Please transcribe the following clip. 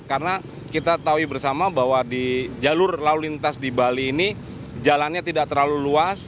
karena kita tahu bersama bahwa di jalur lalu lintas di bali ini jalannya tidak terlalu luas